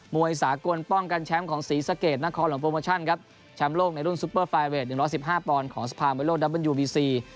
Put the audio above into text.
วยสากลป้องกันแชมป์ของศรีสะเกดนครหลวงโปรโมชั่นครับแชมป์โลกในรุ่นซุปเปอร์ไฟเวท๑๑๕ปอนด์ของสภามวยโลกดับเบิลยูบีซี